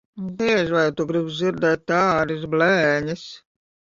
Diez vai tu gribi dzirdēt tādas blēņas.